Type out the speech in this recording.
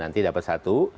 nanti dapat satu